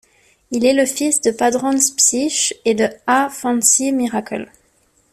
Il est le fils de Padrons Psyche et de A Fancy Miracle.